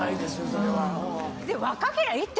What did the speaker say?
それは。